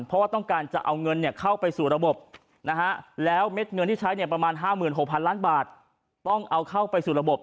เพราะว่าต้องการจะเอาเงินเข้าไปสู่ระบบนะฮะแล้วเม็ดเงินที่ใช้เนี่ยประมาณ๕๖๐๐ล้านบาทต้องเอาเข้าไปสู่ระบบ